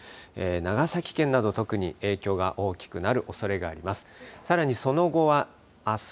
長崎県など、特に影響が大きくなるおそれがあります。